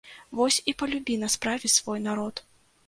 Вось і палюбі на справе свой народ!